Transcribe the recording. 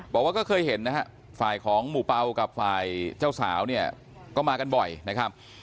บอกว่าก็เคยเห็นนะฮะฝ่ายของหมู่เปล่ากับฝ่ายเจ้าสาวเนี่ยก็มากันบ่อยนะครับ